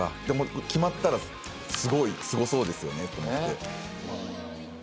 でも決まったらすごいすごそうですよねと思って。